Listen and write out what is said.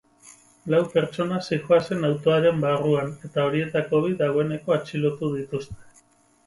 Lau pertsona zihoazen autoaren barruan, eta horietako bi dagoeneko atxilotu dituzte.